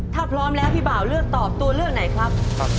ถ้าพร้อมแล้วพี่บ่าวเลือกตอบตัวเลือกไหนครับ